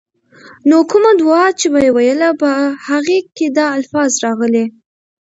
نو کومه دعاء چې به ئي ويله، په هغې کي دا الفاظ راغلي: